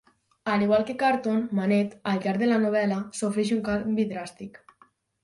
A l'igual que Carton, Manette, al llarg de la novel·la, sofreix un canvi dràstic.